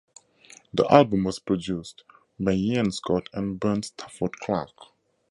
The album was produced by Iain Scott and Bunt Stafford Clark.